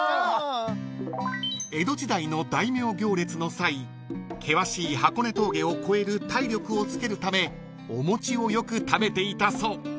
［江戸時代の大名行列の際険しい箱根峠を越える体力をつけるためお餅をよく食べていたそう］